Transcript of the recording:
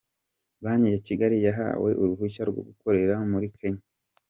Banki ya Kigali yahawe uruhushya rwo gukorera muri Kenya